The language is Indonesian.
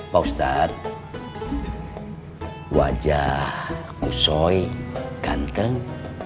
pak ustadz wajah usoy ganteng